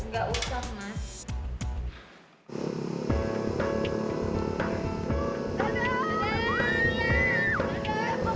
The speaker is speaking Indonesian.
gak usah mas